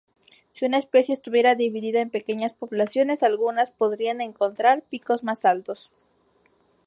Si una especie estuviera dividida en pequeñas poblaciones, algunas podrían encontrar picos más altos.